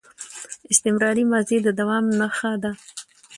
استمراري ماضي د دوام نخښه ده.